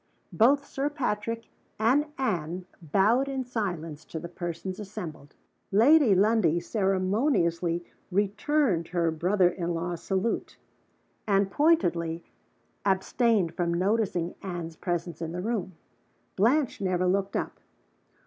Both Sir Patrick and Anne bowed in silence to the persons assembled. Lady Lundie ceremoniously returned her brother in law's salute and pointedly abstained from noticing Anne's presence in the room. Blanche never looked up.